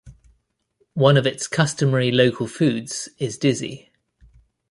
One of its customary local foods is Dizi.